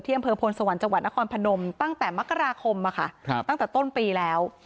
อำเภอพลสวรรค์จังหวัดนครพนมตั้งแต่มกราคมตั้งแต่ต้นปีแล้ว